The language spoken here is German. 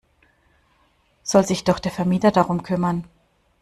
Soll sich doch der Vermieter darum kümmern!